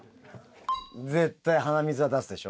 絶対鼻水は出すでしょ？